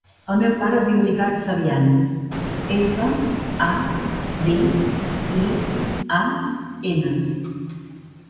El meu pare es diu Ricard Fabian: efa, a, be, i, a, ena.